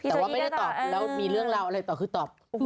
แต่ว่าไม่ได้ตอบแล้วมีเรื่องราวอะไรต่อคือตอบ